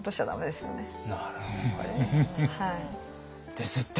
ですって！